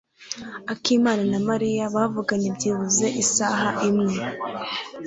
Akimana na Mariya bavuganye byibuze isaha imwe.